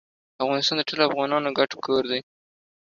افغانستان د ټولو افغانانو ګډ کور دی.